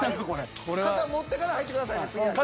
肩持ってから入ってくださいね次の人。